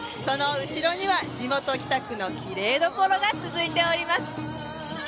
その後ろには地元北区のきれいどころが続いております。